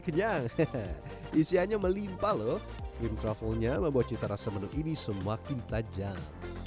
kenyang isiannya melimpah loh cream truffle nya membuat cita rasa menu ini semakin tajam